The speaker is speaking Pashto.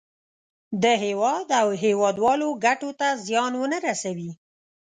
د هېواد او هېوادوالو ګټو ته زیان ونه رسوي.